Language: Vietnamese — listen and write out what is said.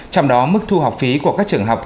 trong đó mức thu học phí của các trường học